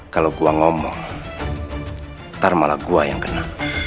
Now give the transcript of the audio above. kalau gue ngomong ntar malah gue yang kena